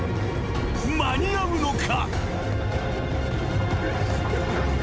間に合うのか？］